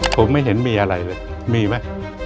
ผมไม่เห็นมีอะไรเลยมีไหม